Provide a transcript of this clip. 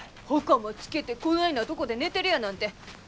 はかまつけてこないなとこで寝てるやなんて